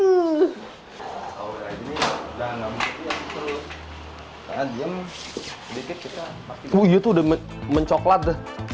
wuih itu udah mencoklat